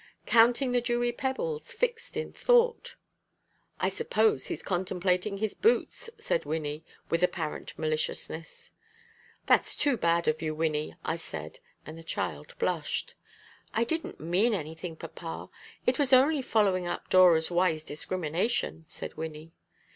"Counting the dewy pebbles, fixed in thought." "I suppose he's contemplating his boots," said Wynnie, with apparent maliciousness. "That's too bad of you, Wynnie," I said, and the child blushed. "I didn't mean anything, papa. It was only following up Dora's wise discrimination," said Wynnie.